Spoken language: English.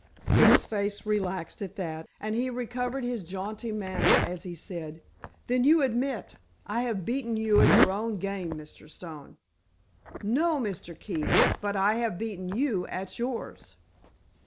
Keefe's face relaxed at that, and he recovered his jaunty manner, as he said: "Then you admit I have beaten you at your own game, Mr. Stone?" "No, Mr. Keefe, but I have beaten you at yours."